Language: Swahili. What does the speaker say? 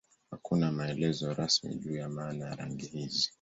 Hakuna maelezo rasmi juu ya maana ya rangi hizi.